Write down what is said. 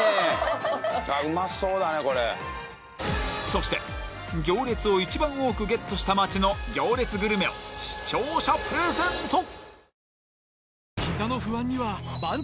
そして行列を一番多くゲットした街の行列グルメを視聴者プレゼント